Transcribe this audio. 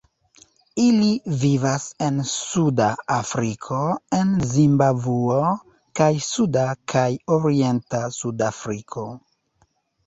Ili vivas en Suda Afriko en Zimbabvo kaj suda kaj orienta Sudafriko.